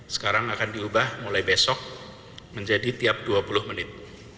sekarang akan diubah mulai besok menjadi tiap dua puluh menit